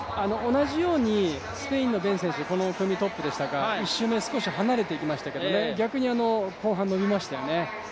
同じようにスペインのベン選手、この組トップでしたが、１周目、少し離れていきましたが、逆に後半伸びましたよね。